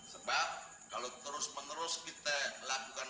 sebab kalau terus menerus kita lakukan